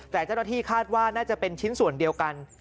แต่เจ้าหน้าที่คาดว่าน่าจะเป็นชิ้นส่วนเดียวกัน